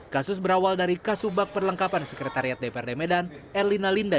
kasus berawal dari kasubag perlengkapan sekretariat dprd medan erlina linda